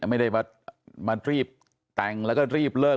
ไม่ได้มารีบแต่งแล้วก็รีบเลิก